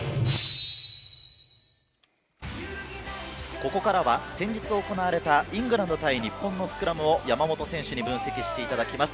ここからは先日行われたイングランド対日本のスクラムを山本選手に分析していただきます。